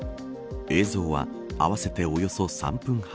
映像は合わせておよそ３分半。